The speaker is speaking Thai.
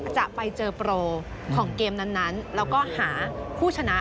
จะไปเจอโปรของเกมนั้นแล้วก็หาผู้ชนะ